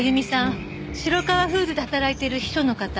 城川フーズで働いている秘書の方。